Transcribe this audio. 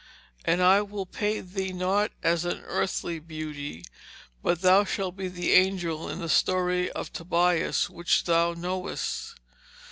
And I will paint thee not as an earthly beauty, but thou shalt be the angel in the story of Tobias which thou knowest.'